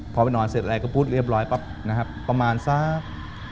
พอไปนอนเสร็จแล้วก็พูดเรียบร้อยประมาณสัก